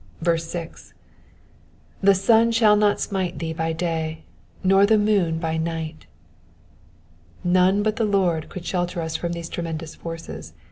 6. ^^The sun shaU not smite thee by day, nor the moon hy night. ''^ None but the Lord could shelter us from these tremendous forces.